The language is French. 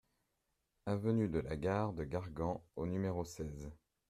Avenue de la Gare de Gargan au numéro seize